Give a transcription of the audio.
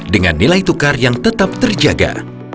dengan nilai tukar yang tetap terjaga